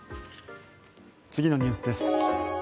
次のニュースです。